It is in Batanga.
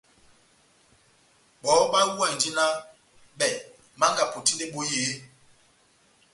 Bɔhɔ bahuwahindi nah bɛh Manga apotindi ebohi eeeh?